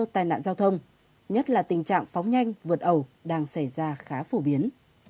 tai nạn giao thông nhất là tình trạng phóng nhanh vượt ẩu đang xảy ra khá phổ biến